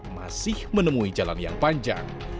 masih menemui jalan yang panjang